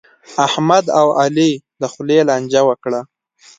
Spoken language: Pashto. احمد او علي د خولې لانجه وکړه.